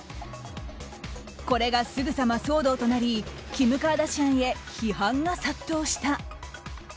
これがすぐさま騒動となりキム・カーダシアンへ批判が殺到した。